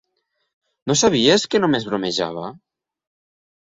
No sabies que només bromejava?